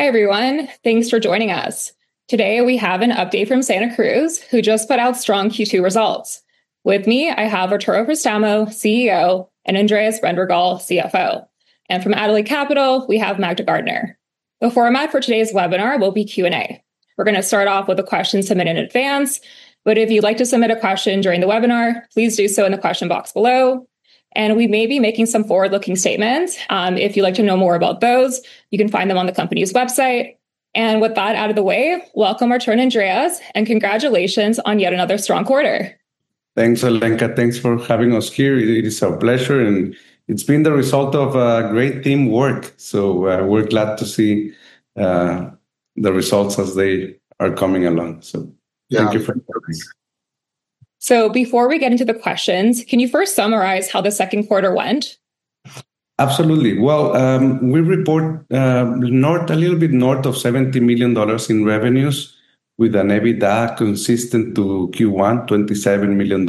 Hi everyone, thanks for joining us. Today we have an update from Santacruz, who just put out strong Q2 results. With me, I have Arturo Préstamo, CEO, and Andrés Brendel, CFO. And from Adelaide Capital, we have Magda Gardner. The format for today's webinar will be Q&A. We're going to start off with a question submitted in advance, but if you'd like to submit a question during the webinar, please do so in the question box below. And we may be making some forward-looking statements. If you'd like to know more about those, you can find them on the company's website. With that out of the way, over to you, Andrés, and congratulations on yet another strong quarter. Thanks, Alenka. Thanks for having us here. It is our pleasure, and it's been the result of great teamwork. So we're glad to see the results as they are coming along. So thank you for having us. So before we get into the questions, can you first summarize how the second quarter went? Absolutely. Well, we reported a little bit north of $70 million in revenues, with an EBITDA consistent to Q1, $27 million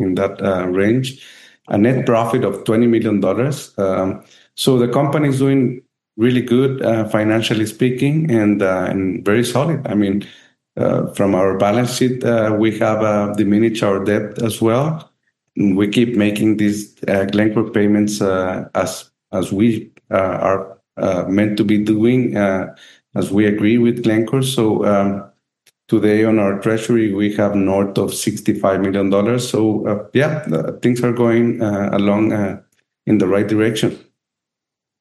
in that range, a net profit of $20 million. So the company is doing really good, financially speaking, and very solid. I mean, from our balance sheet, we have diminished our debt as well. We keep making these Glencore payments as we are meant to be doing, as we agree with Glencore. So today on our treasury, we have north of $65 million. Yeah, things are going along in the right direction.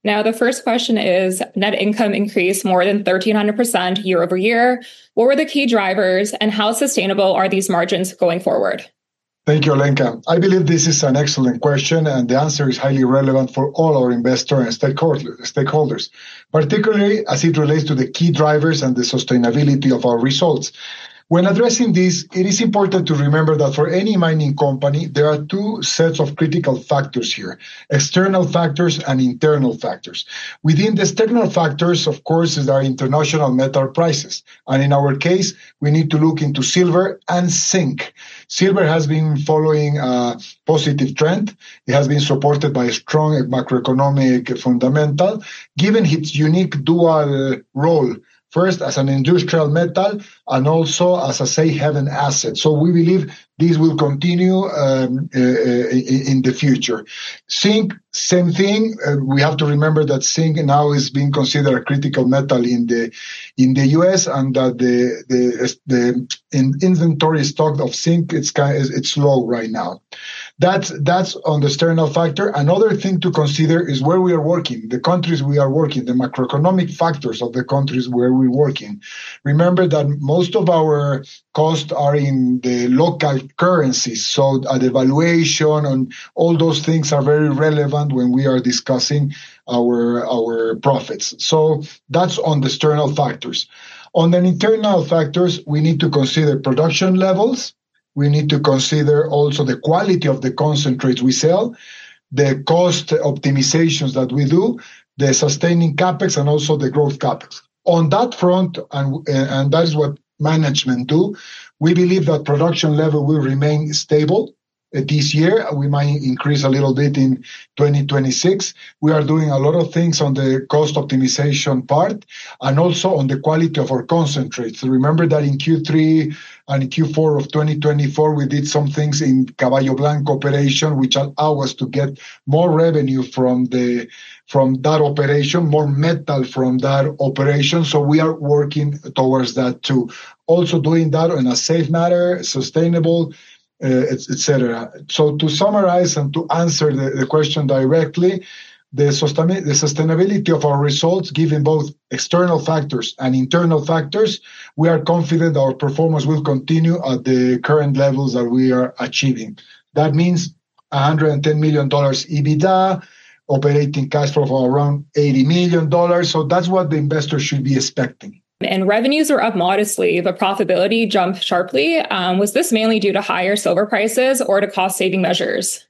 Now, the first question is, net income increased more than 1,300% year over year. What were the key drivers, and how sustainable are these margins going forward? Thank you, Alenka. I believe this is an excellent question, and the answer is highly relevant for all our investors and stakeholders, particularly as it relates to the key drivers and the sustainability of our results. When addressing this, it is important to remember that for any mining company, there are two sets of critical factors here: external factors and internal factors. Within these external factors, of course, there are international metal prices, and in our case, we need to look into silver and zinc. Silver has been following a positive trend. It has been supported by a strong macroeconomic fundamental, given its unique dual role: first, as an industrial metal, and also as a safe-haven asset, so we believe this will continue in the future. Zinc, same thing. We have to remember that zinc now is being considered a critical metal in the U.S., and that the inventory stock of zinc is low right now. That's on the external factor. Another thing to consider is where we are working, the countries we are working, the macroeconomic factors of the countries where we're working. Remember that most of our costs are in the local currencies. So the valuation and all those things are very relevant when we are discussing our our profits. So that's on the external factors. On the internal factors, we need to consider production levels. We need to consider also the quality of the concentrates we sell, the cost optimizations that we do, the sustaining CapEx, and also the growth CapEx. On that front, and that is what management do, we believe that production level will remain stable this year. We might increase a little bit in 2026. We are doing a lot of things on the cost optimization part, and also on the quality of our concentrates. Remember that in Q3 and Q4 of 2024, we did some things in Caballo Blanco operation, which allowed us to get more revenue from that operation, more metal from that operation. So we are working towards that too. Also doing that in a safe manner, sustainable, et cetera. So to summarize and to answer the question directly, the sustainability of our results, given both external factors and internal factors, we are confident our performance will continue at the current levels that we are achieving. That means $110 million EBITDA, operating cash flow for around $80 million. So that's what the investors should be expecting. Revenues are up modestly, but profitability jumped sharply. Was this mainly due to higher silver prices or to cost-saving measures?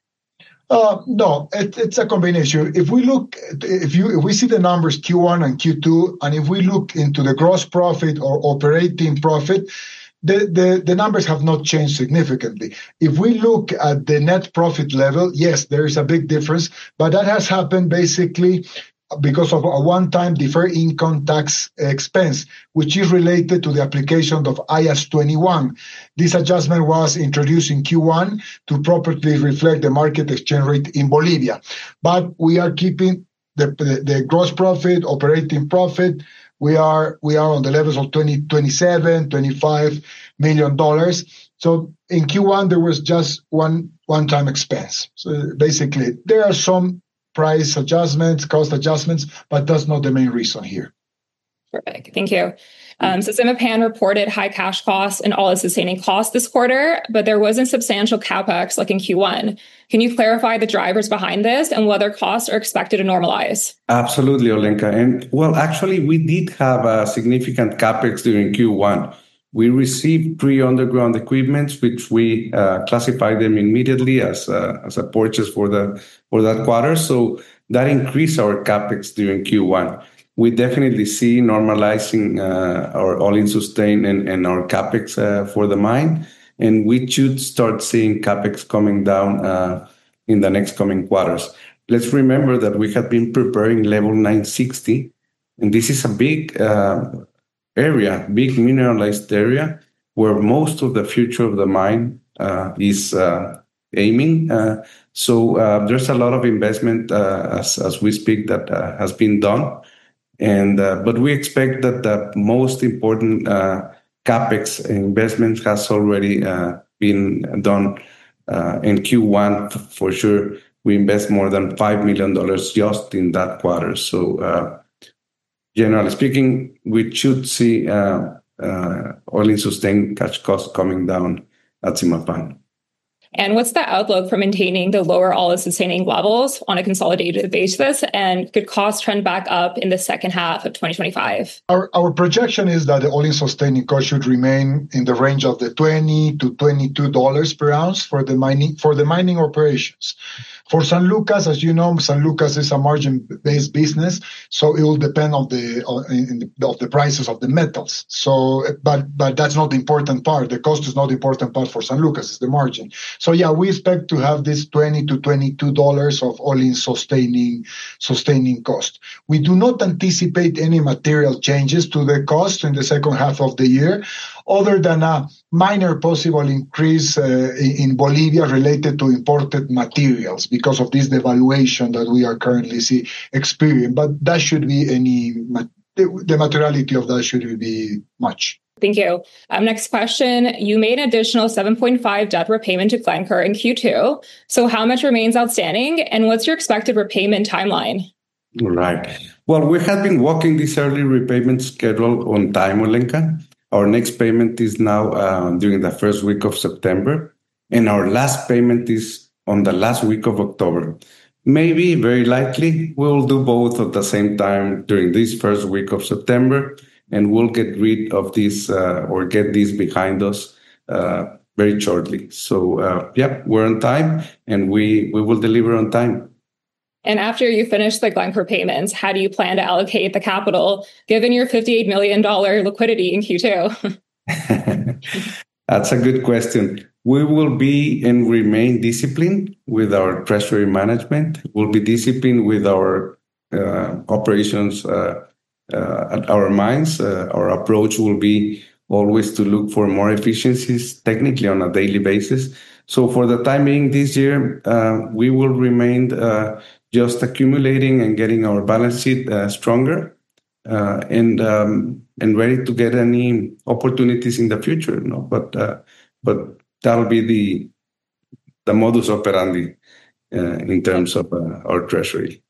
No, it's a combination. If we look, if we see the numbers Q1 and Q2, and if we look into the gross profit or operating profit, the the numbers have not changed significantly. If we look at the net profit level, yes, there is a big difference, but that has happened basically because of a one-time deferred income tax expense, which is related to the application of IAS 21. This adjustment was introduced in Q1 to properly reflect the market exchange rate in Bolivia. But we are keeping the gross profit, operating profit. We are on the levels of $27 million, $25 million. So in Q1, there was just one-time expense. So basically, there are some price adjustments, cost adjustments, but that's not the main reason here. Perfect. Thank you, so Zimapan reported high cash costs and all-in sustaining costs this quarter, but there wasn't substantial CapEx like in Q1. Can you clarify the drivers behind this and whether costs are expected to normalize? Absolutely, Alenka. Well, actually, we did have significant Capex during Q1. We received pre-underground equipment, which we classified immediately as a purchase for that quarter. So that increased our Capex during Q1. We definitely see normalizing our all-in sustaining and our Capex for the mine. We should start seeing Capex coming down in the next coming quarters. Let's remember that we have been preparing Level 960, and this is a big area, big mineralized area where most of the future of the mine is aiming. So there's a lot of investment as we speak that has been done. But we expect that the most important CapEx investment has already been done in Q1 for sure. We invest more than $5 million just in that quarter. So generally speaking, we should see oil and sustained cash costs coming down at Zimapan. What's the outlook for maintaining the lower all-in sustaining levels on a consolidated basis, and could costs trend back up in the second half of 2025? Our projection is that the all-in sustaining costs should remain in the range of $20-$22 per ounce for the mining operations. For San Lucas, as you know, San Lucas is a margin-based business, so it will depend on the prices of the metals. So but that's not the important part. The cost is not the important part for San Lucas. It's the margin. So yeah, we expect to have this $20-$22 of all-in sustaining sustaining costs. We do not anticipate any material changes to the cost in the second half of the year, other than a minor possible increase in Bolivia related to imported materials because of this devaluation that we are currently experiencing. But that should be, and the materiality of that shouldn't be much. Thank you. Next question. You made an additional 7.5 debt repayment to Glencore in Q2. So how much remains outstanding, and what's your expected repayment timeline? Right. Well, we have been working this early repayment schedule on time, Alenka. Our next payment is now during the first week of September, and our last payment is on the last week of October. Maybe very likely, we'll do both at the same time during this first week of September, and we'll get rid of this or get this behind us very shortly. So yeah, we're on time, and we will deliver on time. And after you finish the Glencore payments, how do you plan to allocate the capital, given your $58 million liquidity in Q2? That's a good question. We will be and remain disciplined with our treasury management. We'll be disciplined with our operations at our mines. Our approach will be always to look for more efficiencies technically on a daily basis. So for the timing this year, we will remain just accumulating and getting our balance sheet stronger and ready to get any opportunities in the future. But but that'll be the modus operandi in terms of our treasury.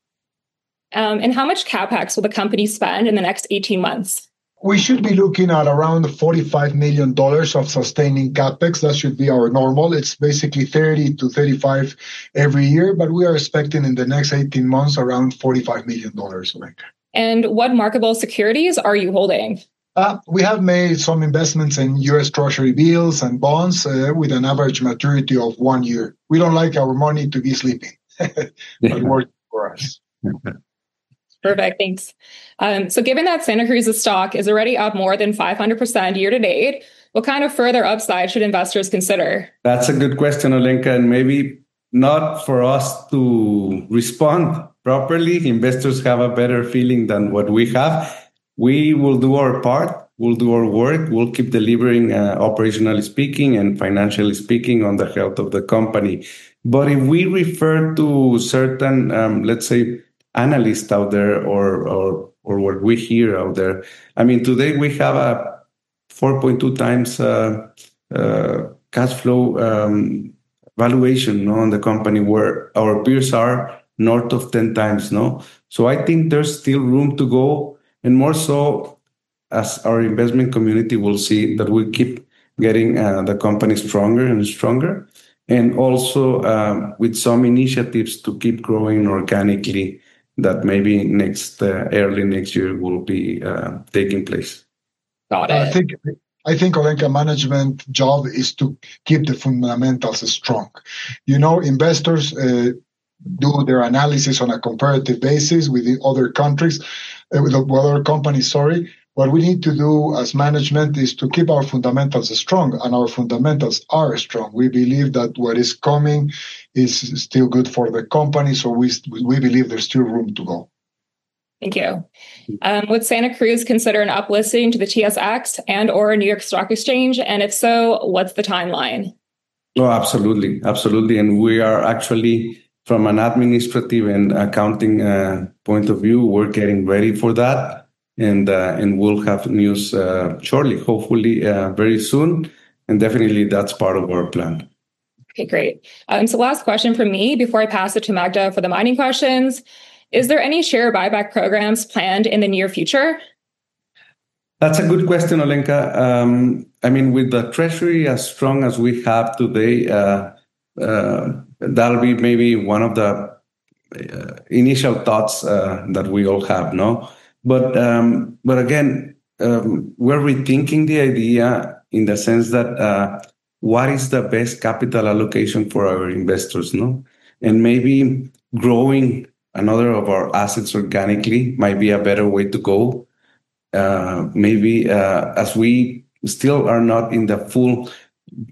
And how much CapEx will the company spend in the next 18 months? We should be looking at around $45 million of sustaining CapEx. That should be our normal. It's basically $30-$35 every year, but we are expecting in the next 18 months around $45 million. And what marketable securities are you holding? We have made some investments in US Treasury bills and bonds with an average maturity of one year. We don't like our money to be sleeping. It works for us. Perfect. Thanks. So given that Santa Cruz's stock is already up more than 500% year to date, what kind of further upside should investors consider? That's a good question, Alenka, and maybe not for us to respond properly. Investors have a better feeling than what we have. We will do our part. We'll do our work. We'll keep delivering, operationally speaking and financially speaking, on the health of the company, but if we refer to certain, let's say, analysts out there or or or what we hear out there, I mean, today we have a 4.2 times cash flow valuation on the company where our peers are north of 10 times, so I think there's still room to go, and more so as our investment community will see that we keep getting the company stronger and stronger, and also with some initiatives to keep growing organically that maybe early next year will be taking place. I think, Alenka, management's job is to keep the fundamentals strong. You know, investors do their analysis on a comparative basis with the other countries or with other companies, sorry. What we need to do as management is to keep our fundamentals strong, and our fundamentals are strong. We believe that what is coming is still good for the company. So we believe there's still room to go. Thank you. Would Santa Cruz consider an uplisting to the TSX and/or New York Stock Exchange? And if so, what's the timeline? Oh, absolutely. Absolutely. And we are actually, from an administrative and accounting point of view, we're getting ready for that. And we'll have news shortly, hopefully very soon. And definitely, that's part of our plan. Okay, great. So last question for me before I pass it to Magda for the mining questions. Is there any share buyback programs planned in the near future? That's a good question, Alenka. I mean, with the treasury as strong as we have today, that'll be maybe one of the initial thoughts that we all have. But but again, we're rethinking the idea in the sense that what is the best capital allocation for our investors? And maybe growing another of our assets organically might be a better way to go. Maybe as we still are not in the full,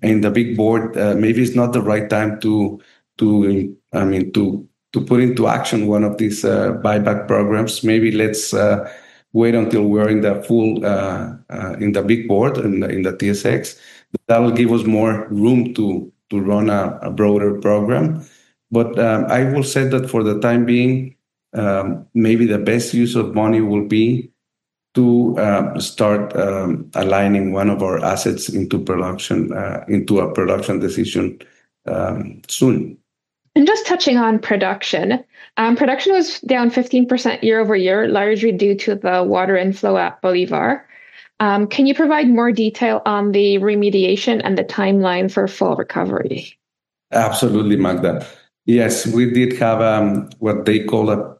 in the big board, maybe it's not the right time to to, I mean, to to put into action one of these buyback programs. Maybe let's wait until we're in the full in the big board and in the TSX. That'll give us more room to to run a broader program. But I will say that for the time being, maybe the best use of money will be to start aligning one of our assets into production, into a production decision soon. And just touching on production, production was down 15% year over year, largely due to the water inflow at Bolívar. Can you provide more detail on the remediation and the timeline for full recovery? Absolutely, Magda. Yes, we did have what they call a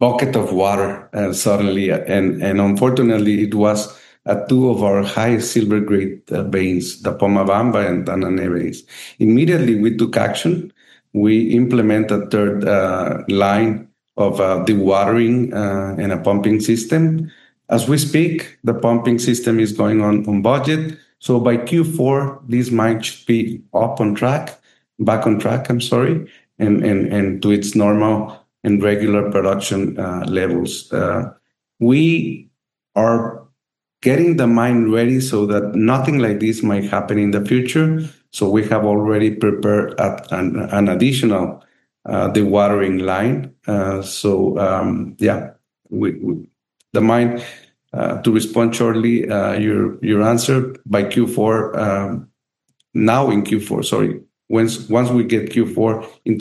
bucket of water suddenly, and unfortunately, it was two of our highest silver-grade veins, the Pomabamba and the Nane areas. Immediately, we took action. We implemented a third line of dewatering and a pumping system. As we speak, the pumping system is going on budget, so by Q4, this might be up on track, back on track, I'm sorry, and and to its normal and regular production levels. We are getting the mine ready so that nothing like this might happen in the future, so we have already prepared an additional dewatering line, so yeah, the mine, to respond shortly to your answer, by Q4, now in Q4, sorry, once we get into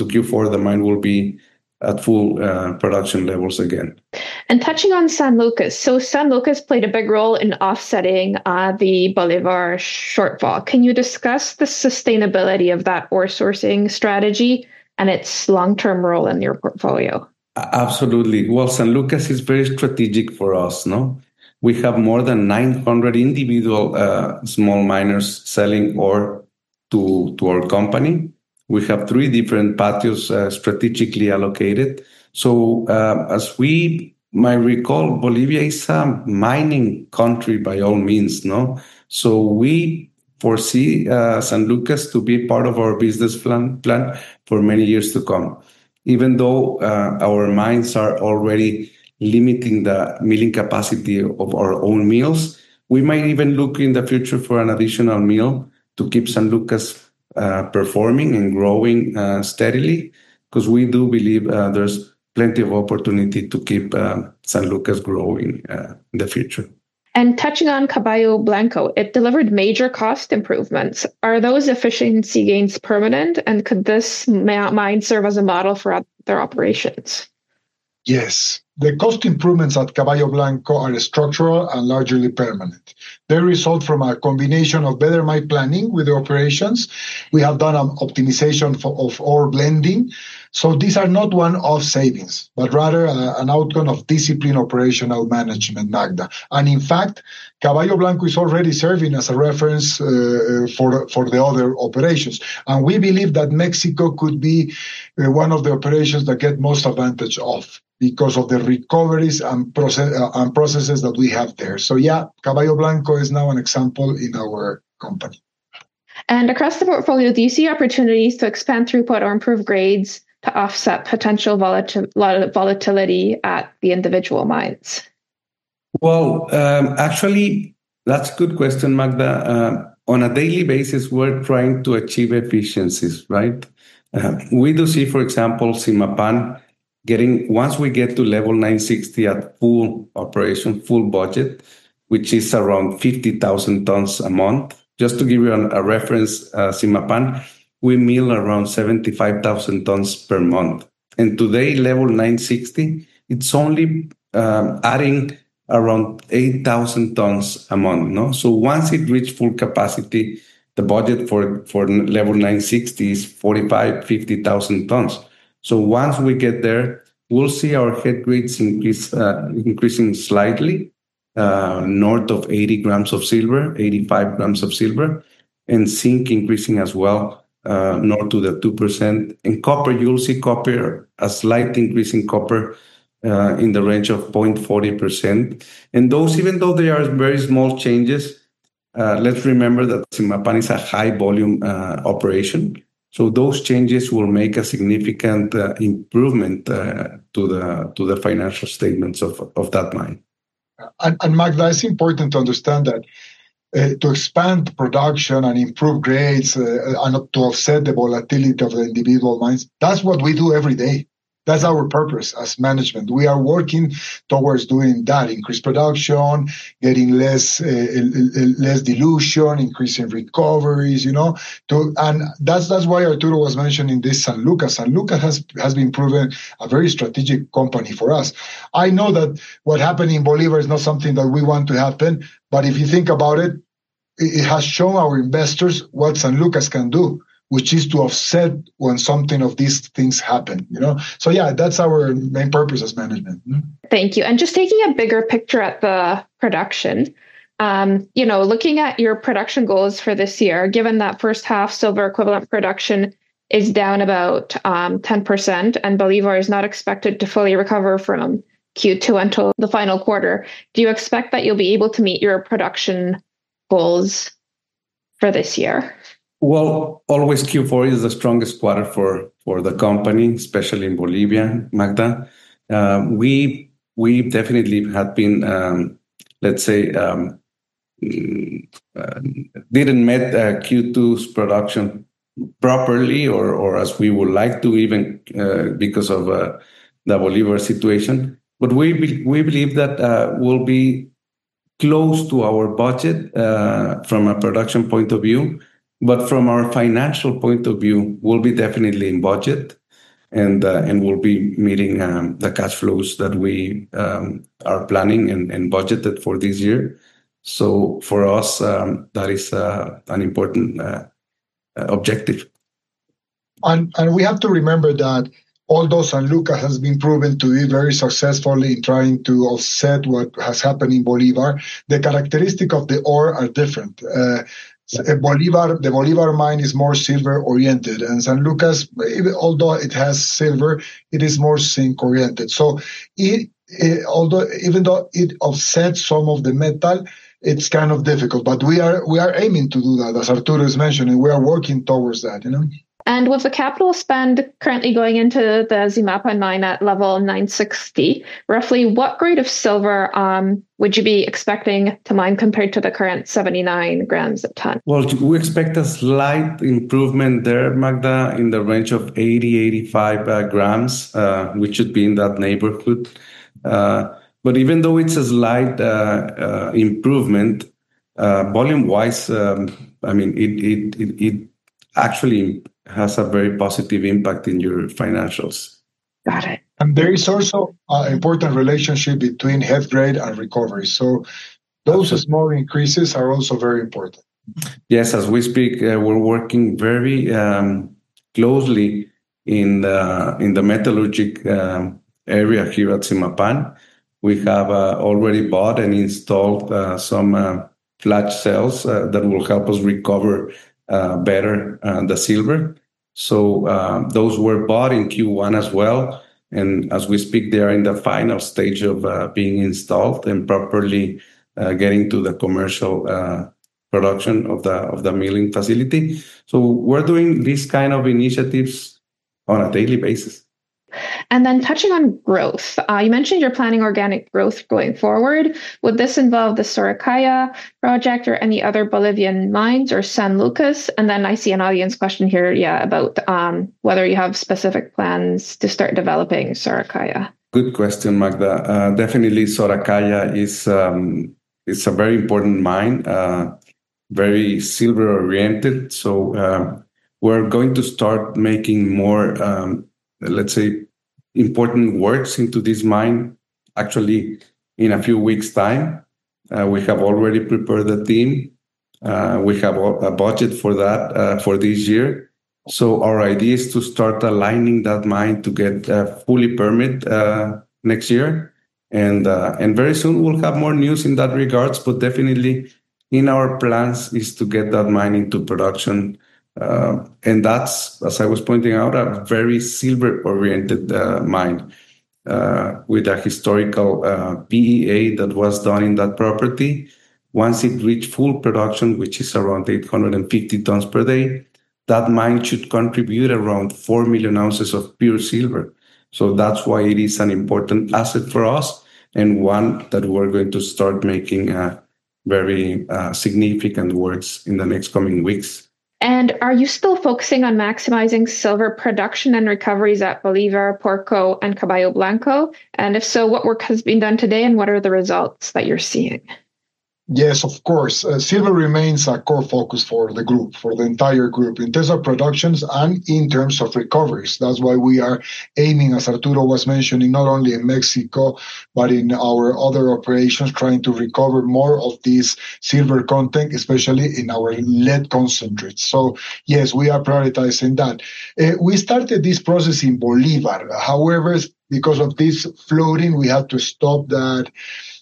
Q4, the mine will be at full production levels again. And touching on San Lucas, so San Lucas played a big role in offsetting the Bolívar shortfall. Can you discuss the sustainability of that ore sourcing strategy and its long-term role in your portfolio? Absolutely. Well, San Lucas is very strategic for us. We have more than 900 individual small miners selling ore to our company. We have three different patios strategically allocated. So as we might recall, Bolivia is a mining country by all means. So we foresee San Lucas to be part of our business plan for many years to come. Even though our mines are already limiting the milling capacity of our own mills, we might even look in the future for an additional mill to keep San Lucas performing and growing steadily because we do believe there's plenty of opportunity to keep San Lucas growing in the future. And touching on Caballo Blanco, it delivered major cost improvements. Are those efficiency gains permanent, and could this mine serve as a model for their operations? Yes. The cost improvements at Caballo Blanco are structural and largely permanent. They result from a combination of better mine planning with the operations. We have done optimization of ore blending. So these are not one-off savings, but rather an outcome of disciplined operational management, Magda. And in fact, Caballo Blanco is already serving as a reference for the other operations. And we believe that Mexico could be one of the operations that gets most advantage of because of the recoveries and processes that we have there. So yeah, Caballo Blanco is now an example in our company. Across the portfolio, do you see opportunities to expand throughput or improve grades to offset potential volatility at the individual mines? Well, actually, that's a good question, Magda. On a daily basis, we're trying to achieve efficiencies, right? We do see, for example, Zimapan, once we get to level 960 at full operation, full budget, which is around 50,000 tons a month. Just to give you a reference, Zimapan, we mill around 75,000 tons per month. And today, Level 960, it's only adding around 8,000 tons a month. So once it reaches full capacity, the budget for Level 960 is 45,000-50,000 tons. So once we get there, we'll see our head grades increasing slightly north of 80 grams of silver, 85 grams of silver, and zinc increasing as well north to the 2%. And copper, you'll see copper, a slight increase in copper in the range of 0.40%. And those, even though they are very small changes, let's remember that Zimapan is a high-volume operation. So those changes will make a significant improvement to the to the financial statements of that mine. And Magda, it's important to understand that to expand production and improve grades and to offset the volatility of the individual mines, that's what we do every day. That's our purpose as management. We are working towards doing that, increase production, getting less dilution, increasing recoveries, you know. And that's that's why Arturo was mentioning this San Lucas. San Lucas has has been proven a very strategic company for us. I know that what happened in Bolívar is not something that we want to happen, but if you think about it, it has shown our investors what San Lucas can do, which is to offset when something of these things happen, you know. So yeah, that's our main purpose as management. Thank you. And just taking a bigger picture at the production, you know, looking at your production goals for this year, given that first half silver equivalent production is down about 10% and Bolívar is not expected to fully recover from Q2 until the final quarter, do you expect that you'll be able to meet your production goals for this year? Well, always Q4 is the strongest quarter for for the company, especially in Bolivia, Magda. We we definitely have been, let's say, didn't meet Q2's production properly or as we would like to even because of the Bolívar situation. But we, we believe that we'll be close to our budget from a production point of view. But from our financial point of view, we'll be definitely in budget and we'll be meeting the cash flows that we are planning and budgeted for this year. So for us, that is an important objective. And we have to remember that although San Lucas has been proven to be very successful in trying to offset what has happened in Bolívar, the characteristics of the ore are different. The Bolívar, the Bolivar mine is more silver-oriented. And San Lucas, although it has silver, it is more zinc-oriented. So although even though it offsets some of the metal, it's kind of difficult. But we are aiming to do that. As Arturo is mentioning, we are working towards that. With the capital spend currently going into the Zimapan mine at Level 960, roughly what grade of silver would you be expecting to mine compared to the current 79 grams a ton? We expect a slight improvement there, Magda, in the range of 80-85 grams, which should be in that neighborhood. But even though it's a slight improvement, volume-wise, I mean, it it it actually has a very positive impact in your financials. Got it. And there is also an important relationship between head grade and recovery. So those small increases are also very important. Yes, as we speak, we're working very closely in the metallurgical area here at Zimapan. We have already bought and installed some flat cells that will help us recover better the silver. So those were bought in Q1 as well. And as we speak, they are in the final stage of being installed and properly getting to the commercial production of the milling facility. So we're doing these kinds of initiatives on a daily basis. And then touching on growth, you mentioned you're planning organic growth going forward. Would this involve the Soracaya project or any other Bolivian mines or San Lucas? And then I see an audience question here, yeah, about whether you have specific plans to start developing Soracaya. Good question, Magda. Definitely, Soracaya is a is a avery important mine, very silver-oriented. So we're going to start making more, let's say, important works into this mine actually in a few weeks' time. We have already prepared a team. We have a budget for that for this year. So our idea is to start aligning that mine to get fully permitted next year. And very soon, we'll have more news in that regard. But definitely, in our plans is to get that mine into production. And that's, as I was pointing out, a very silver-oriented mine with a historical PEA that was done in that property. Once it reached full production, which is around 850 tons per day, that mine should contribute around 4 million ounces of pure silver. So that's why it is an important asset for us and one that we're going to start making very significant works in the next coming weeks. And are you still focusing on maximizing silver production and recoveries at Bolívar, Porco, and Caballo Blanco? And if so, what work has been done today and what are the results that you're seeing? Yes, of course. Silver remains a core focus for the group, for the entire group, in terms of productions and in terms of recoveries. That's why we are aiming, as Arturo was mentioning, not only in Mexico, but in our other operations, trying to recover more of this silver content, especially in our lead concentrates. So yes, we are prioritizing that. We started this process in Bolívar. However, because of this flotation, we had to stop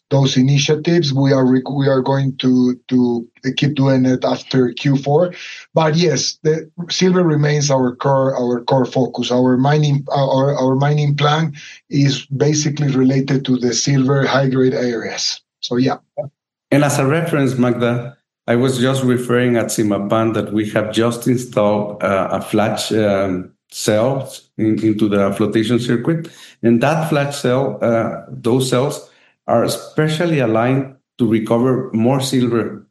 those initiatives. We are going to to keep doing it after Q4. But yes, silver remains our core our core focus. Our mining our mining plan is basically related to the silver high-grade areas. So yeah. And as a reference, Magda, I was just referring to Zimapan that we have just installed a flat cell into the flotation circuit. And that flat cell, those cells are specially aligned to recover more silver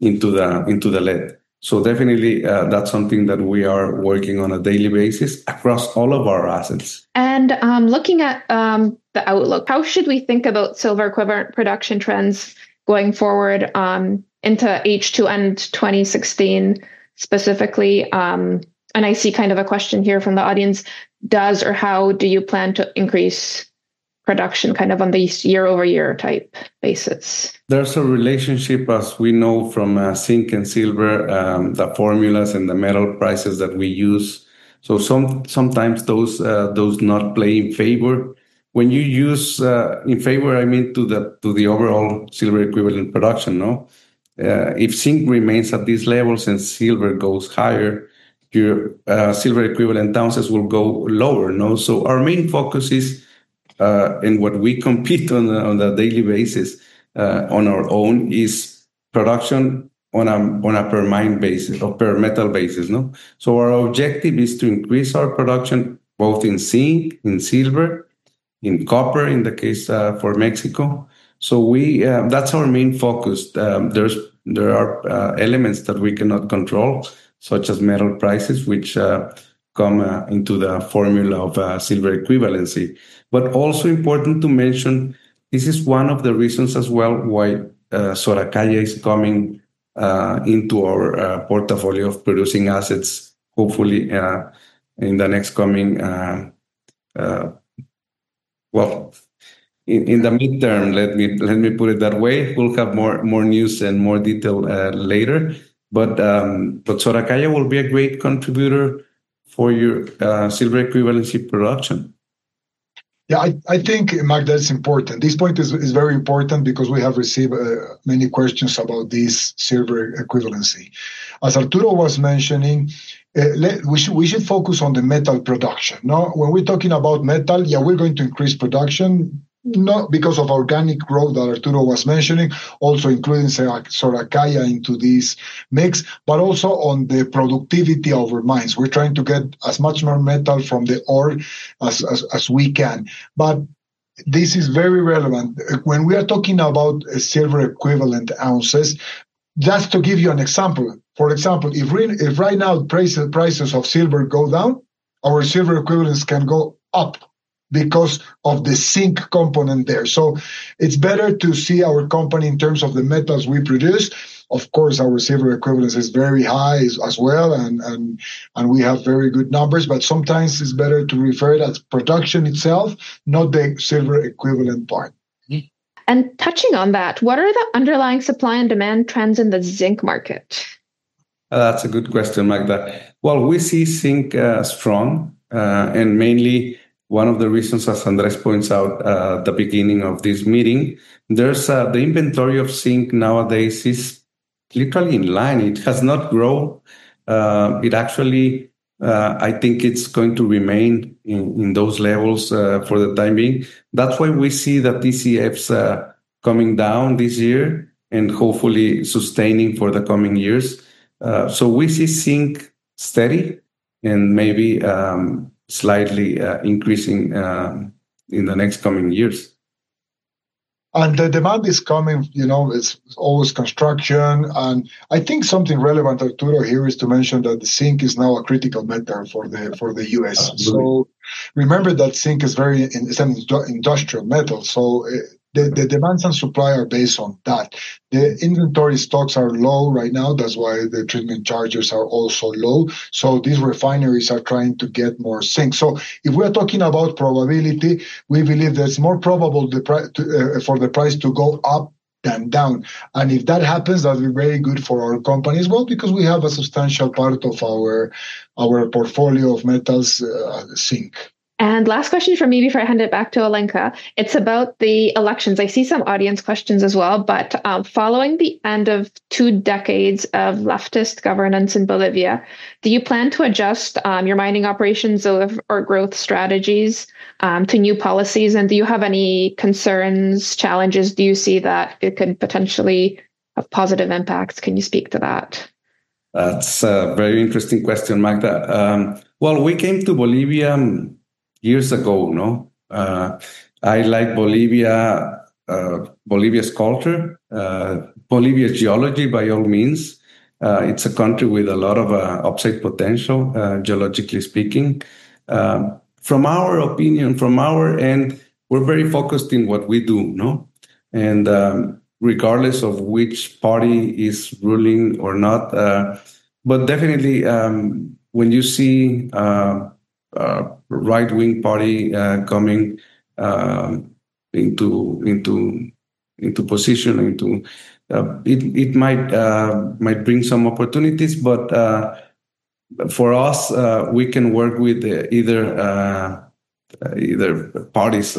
into into the lead. So definitely, that's something that we are working on a daily basis across all of our assets. And looking at the outlook, how should we think about silver equivalent production trends going forward into H2 and 2016 specifically? I see kind of a question here from the audience. Does or how do you plan to increase production kind of on these year-over-year type basis? There's a relationship, as we know from zinc and silver, the formulas and the metal prices that we use. So sometimes those those do not play in favor. When you use in favor, I mean to the overall silver equivalent production. If zinc remains at these levels and silver goes higher, silver equivalent ounces will go lower. So our main focus is, and what we compete on a on a daily basis on our own is production on a on a per mine basis or per metal basis. So our objective is to increase our production both in zinc, in silver, in copper, in the case for Mexico. So we that's our main focus. There are elements that we cannot control, such as metal prices, which come into the formula of silver equivalency. But also important to mention, this is one of the reasons as well why Soracaya is coming into our portfolio of producing assets, hopefully in the next coming, well, in the midterm, let me put it that way. We'll have more more news and more detail later. But Soracaya will be a great contributor for your silver equivalency production. Yeah, I think, Magda, it's important. This point is very important because we have received many questions about this silver equivalency. As Arturo was mentioning, we should focus on the metal production. When we're talking about metal, yeah, we're going to increase production not because of organic growth that Arturo was mentioning, also including Soracaya into this mix, but also on the productivity of our mines. We're trying to get as much more metal from the ore as as we can. But this is very relevant. When we are talking about silver equivalent ounces, just to give you an example, for example, if right now prices of silver go down, our silver equivalents can go up because of the zinc component there. So it's better to see our company in terms of the metals we produce. Of course, our silver equivalence is very high as well, and and we have very good numbers. But sometimes it's better to refer to production itself, not the silver equivalent part. And touching on that, what are the underlying supply and demand trends in the zinc market? That's a good question, Magda. Well, we see zinc strong. And mainly, one of the reasons, as Andreas points out at the beginning of this meeting, there's the inventory of zinc nowadays is literally in line. It has not grown. It actually, I think it's going to remain in those levels for the time being. That's why we see the TCs coming down this year and hopefully sustaining for the coming years. So we see zinc steady and maybe slightly increasing in the next coming years. And the demand is coming, you know. It's always construction. And I think something relevant, Arturo, here is to mention that zinc is now a critical metal for the U.S. So remember that zinc is an industrial metal. So the demand and supply are based on that. The inventory stocks are low right now. That's why the treatment charges are also low. So these refineries are trying to get more zinc. So if we are talking about probability, we believe that it's more probable for the price to go up than down. And if that happens, that'd be very good for our companies, well, because we have a substantial part of our portfolio of metals, zinc. And last question for me, before I hand it back to Alenka. It's about the elections. I see some audience questions as well. But following the end of two decades of leftist governance in Bolivia, do you plan to adjust your mining operations or growth strategies to new policies? And do you have any concerns, challenges? Do you see that it could potentially have positive impacts? Can you speak to that? That's a very interesting question, Magda. Well, we came to Bolivia years ago. I like Bolivia, Bolivia's culture, Bolivia's geology, by all means. It's a country with a lot of upside potential, geologically speaking. From our opinion, from our end, we're very focused in what we do, and regardless of which party is ruling or not. But definitely, when you see a right-wing party coming into into position, it it might bring some opportunities, but but for us, we can work with either either parties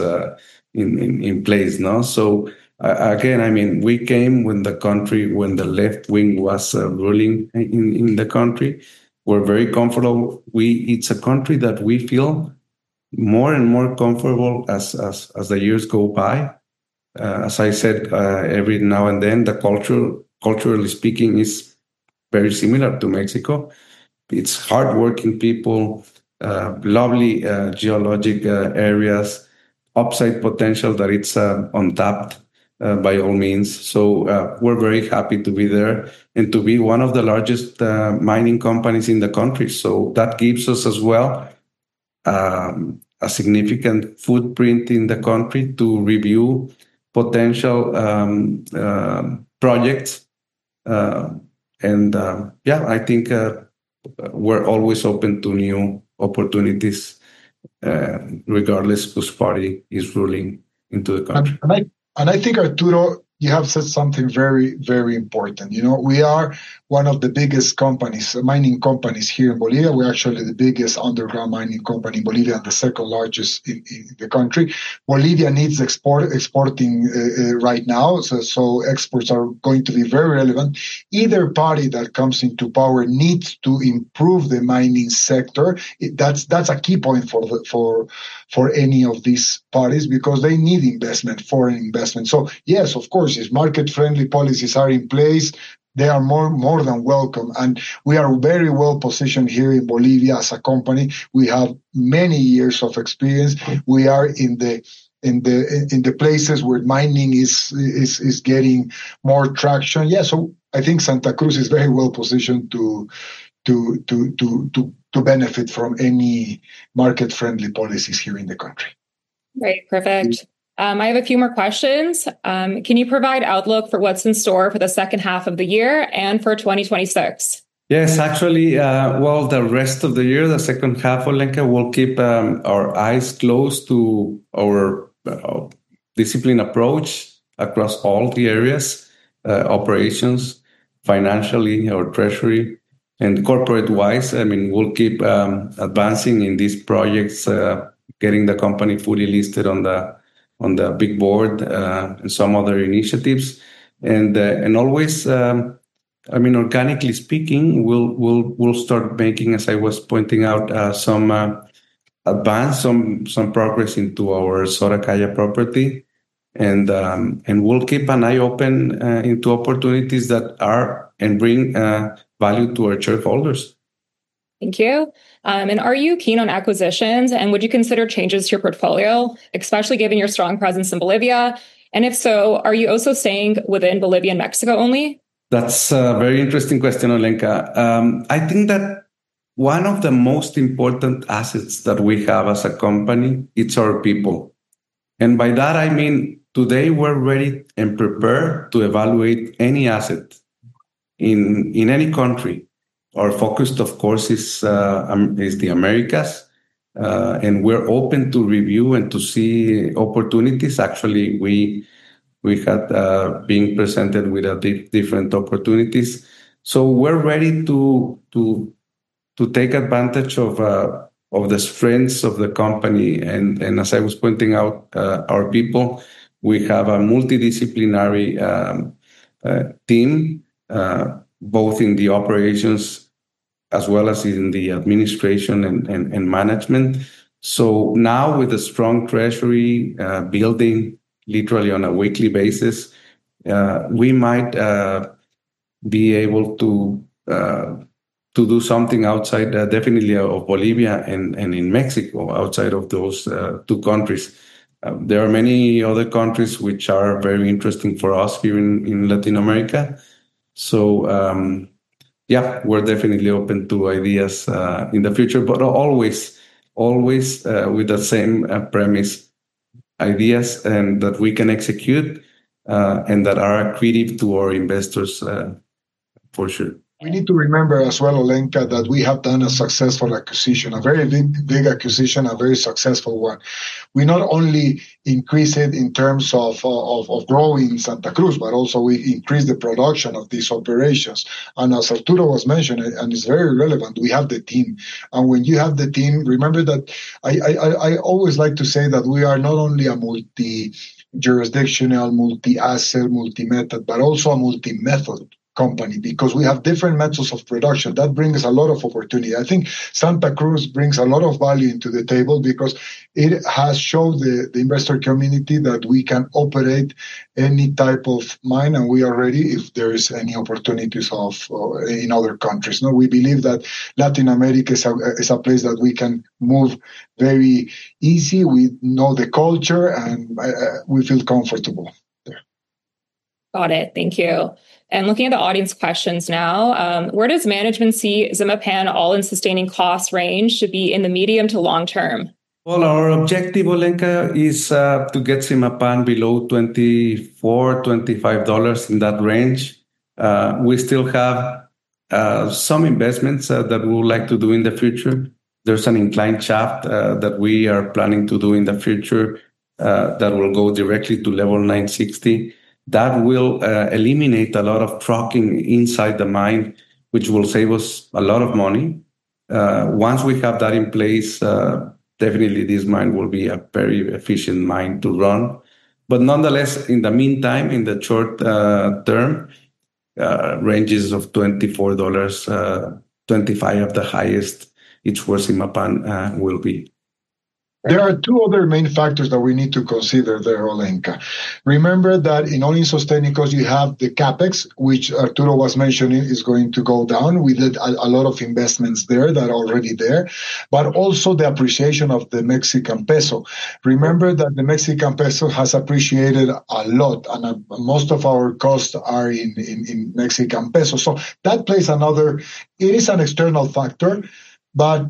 in place. So again, I mean, we came when the country, when the left wing was ruling in the country. We're very comfortable. It's a country that we feel more and more comfortable as as the years go by. As I said, every now and then, culturally speaking, it's very similar to Mexico. It's hardworking people, lovely geologic areas, upside potential that it's untapped by all means. So we're very happy to be there and to be one of the largest mining companies in the country. So that gives us as well a significant footprint in the country to review potential projects. And yeah, I think we're always open to new opportunities regardless of which party is ruling into the country. And I think, Arturo, you have said something very, very important. You know, we are one of the biggest companies, mining companies here in Bolivia. We're actually the biggest underground mining company in Bolivia and the second largest in the country. Bolivia needs exporting right now. So so exports are going to be very relevant. Either party that comes into power needs to improve the mining sector. That's a key point for for any of these parties because they need investment, foreign investment. So yes, of course, if market-friendly policies are in place, they are more more than welcome. We are very well positioned here in Bolivia as a company. We have many years of experience. We are in the places where mining is is getting more traction. Yeah, so I think Santa Cruz is very well positioned to to to to benefit from any market-friendly policies here in the country. Great. Perfect. I have a few more questions. Can you provide outlook for what's in store for the second half of the year and for 2026? Yes, actually, well, the rest of the year, the second half, Alenka, we'll keep our eyes closed to our disciplined approach across all the areas, operations, financially, our treasury, and corporate-wise. I mean, we'll keep advancing in these projects, getting the company fully listed on the big board and some other initiatives. And always, I mean, organically speaking, we'll we'll we'll start making, as I was pointing out, some advance, some some progress into our Soracaya property. And we'll keep an eye open into opportunities that are and bring value to our shareholders. Thank you. And are you keen on acquisitions? And would you consider changes to your portfolio, especially given your strong presence in Bolivia? And if so, are you also staying within Bolivia and Mexico only? That's a very interesting question, Alenka. I think that one of the most important assets that we have as a company, it's our people, and by that, I mean, today, we're ready and prepared to evaluate any asset in any country. Our focus, of course, is the Americas, and we're open to review and to see opportunities. Actually, we we had been presented with different opportunities, so we're ready to to take advantage of the strengths of the company. And and as I was pointing out, our people, we have a multidisciplinary team, both in the operations as well as in the administration and and management, so now, with a strong treasury building literally on a weekly basis, we might be able to do something outside definitely of Bolivia and and in Mexico, outside of those two countries. There are many other countries which are very interesting for us here in Latin America. So yeah, we're definitely open to ideas in the future, but always always with the same premise, ideas that we can execute and that are accretive to our investors, for sure. We need to remember as well, Alenka, that we have done a successful acquisition, a very big acquisition, a very successful one. We not only increase it in terms of of growing Santa Cruz, but also we increase the production of these operations, and as Arturo was mentioning, and it's very relevant, we have the team, and when you have the team, remember that I I I always like to say that we are not only a multi-jurisdictional, multi-asset, multi-method, but also a multi-method company because we have different methods of production. That brings a lot of opportunity. I think Santa Cruz brings a lot of value into the table because it has shown the investor community that we can operate any type of mine, and we are ready if there's any opportunities in other countries. We believe that Latin America is a place that we can move very easy. We know the culture, and we feel comfortable there. Got it. Thank you. And looking at the audience questions now, where does management see Zimapan all-in sustaining costs range to be in the medium to long term? Our objective, Alenka, is to get Zimapan below $24-$25 in that range. We still have some investments that we would like to do in the future. There's an inclined shaft that we are planning to do in the future that will go directly to Level 960. That will eliminate a lot of trucking inside the mine, which will save us a lot of money. Once we have that in place, definitely this mine will be a very efficient mine to run. But nonetheless, in the meantime, in the short term, ranges of $24-$25 at the highest, it's where Zimapan will be. There are two other main factors that we need to consider there, Alenka. Remember that in all-in sustaining costs, you have the CapEx, which Arturo was mentioning is going to go down. We did a lot of investments there that are already there, but also the appreciation of the Mexican peso. Remember that the Mexican peso has appreciated a lot, and most of our costs are in in Mexican peso, so that plays another. It is an external factor, but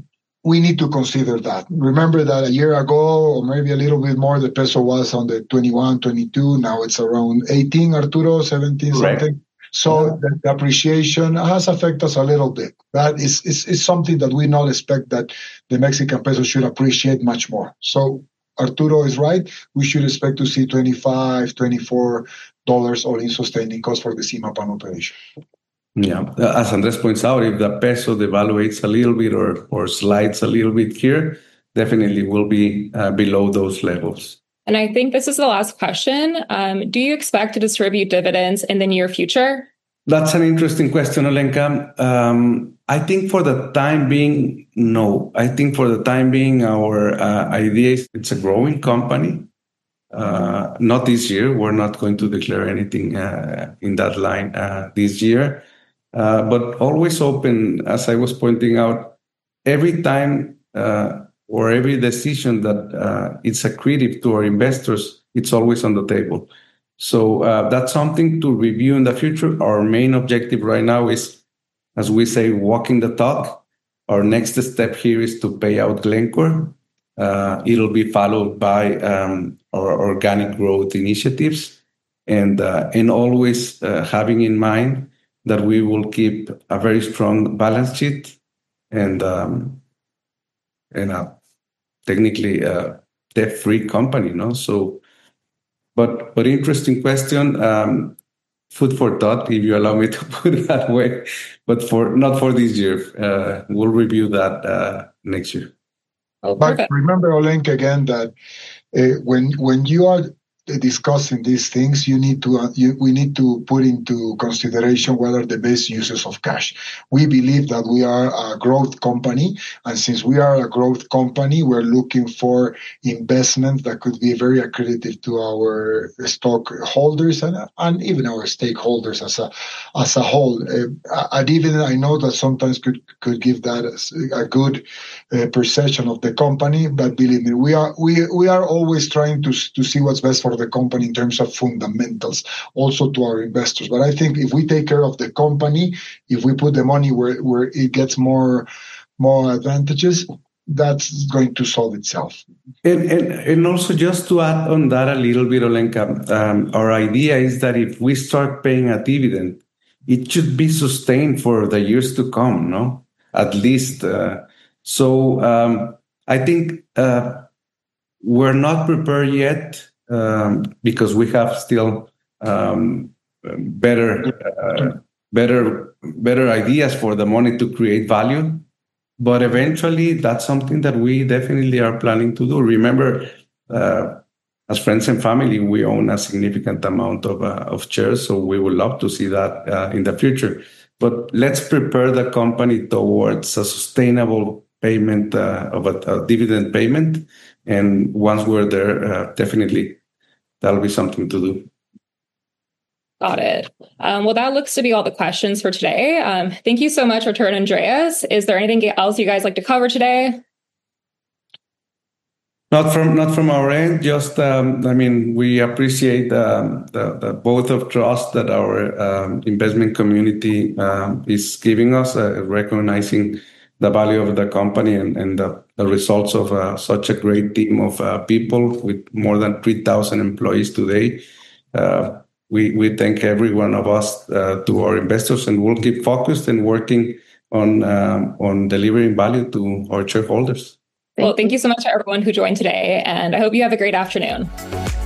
we need to consider that. Remember that a year ago, or maybe a little bit more, the peso was at 21-22. Now it's around 18, Arturo, 17 something, so the appreciation has affected us a little bit. That is something that we not expect that the Mexican peso should appreciate much more, so Arturo is right. We should expect to see $24-$25 all in sustaining costs for the Zimapan operation. Yeah. As Andrés points out, if the peso devaluates a little bit or slides a little bit here, definitely we'll be below those levels. I think this is the last question. Do you expect to distribute dividends in the near future? That's an interesting question, Alenka. I think for the time being, no. I think for the time being, our idea is it's a growing company. Not this year. We're not going to declare anything in that line this year, but always open, as I was pointing out, every time or every decision that is accretive to our investors, it's always on the table, so that's something to review in the future. Our main objective right now is, as we say, walking the talk. Our next step here is to pay out Glencore. It'll be followed by our organic growth initiatives, and always having in mind that we will keep a very strong balance sheet and and technically a debt-free company. So but interesting question, food for thought, if you allow me to put it that way. But not for this year. We'll review that next year. But remember, Alenka, again, that when when you are discussing these things, we need we need to put into consideration what are the best uses of cash. We believe that we are a growth company. And since we are a growth company, we're looking for investments that could be very accredited to our stockholders and even our stakeholders as a whole. A dividend, I know that sometimes could give that a good perception of the company. But believe me, but we we are always trying to see what's best for the company in terms of fundamentals, also to our investors. But I think if we take care of the company, if we put the money where where it gets more advantages, that's going to solve itself. And and also just to add on that a little bit, Alenka, our idea is that if we start paying a dividend, it should be sustained for the years to come, at least. So I think we're not prepared yet because we have still better better better ideas for the money to create value. But eventually, that's something that we definitely are planning to do. Remember, as friends and family, we own a significant amount of shares. So we would love to see that in the future. But let's prepare the company towards a sustainable payment of a dividend payment. And once we're there, definitely, that'll be something to do. Got it. Well, that looks to be all the questions for today. Thank you so much, Arturo and Andreas. Is there anything else you guys like to cover today? Not from, not from our end. Just, I mean, we appreciate the the vote of trust that our investment community is giving us, recognizing the value of the company and and the results of such a great team of people with more than 3,000 employees today. We we thank every one of us to our investors, and we'll keep focused and working on on delivering value to our shareholders. Well, thank you so much to everyone who joined today. I hope you have a great afternoon.